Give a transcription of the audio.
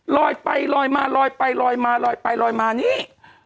ลอยไปลอยมาลอยไปลอยมาลอยไปลอยมานี่